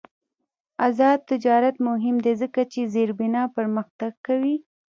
آزاد تجارت مهم دی ځکه چې زیربنا پرمختګ کوي.